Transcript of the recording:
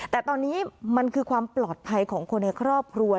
แต่ตอนนี้มันคือความปลอดภัยของคนในครอบครัว